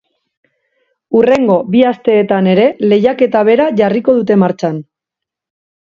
Hurrengo bi asteetan ere lehiaketa bera jarriko dute martxan.